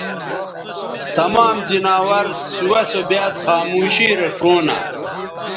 تمام زناور سُوہ سو بیاد خاموشی رے ݜؤں نہ